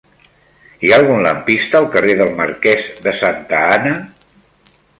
Hi ha algun lampista al carrer del Marquès de Santa Ana?